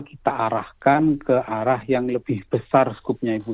kita arahkan ke arah yang lebih besar skupnya ibu